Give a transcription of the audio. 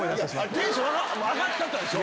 テンション上がってたでしょ。